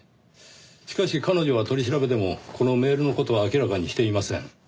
しかし彼女は取り調べでもこのメールの事は明らかにしていません。